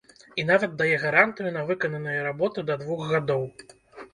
І нават дае гарантыю на выкананыя работы да двух гадоў.